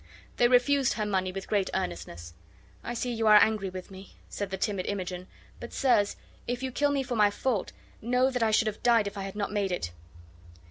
They refused her money with great earnestness. "I see you are angry with me," said the timid Imogen; "but, sirs, if you kill me for my fault, know that I should have died if I had not made it."